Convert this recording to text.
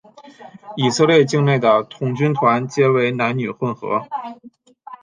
以色列境内的童军团皆为男女混合。